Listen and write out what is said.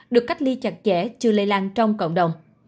được cách ly chặt chẽ chưa lây lan trong cộng đồng